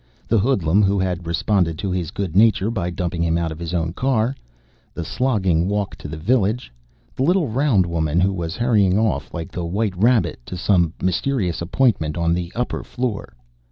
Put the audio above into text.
the hoodlum who had responded to his good nature by dumping him out of his own car ... the slogging walk to the village ... the little round woman who was hurrying off, like the White Rabbit, to some mysterious appointment on the upper floor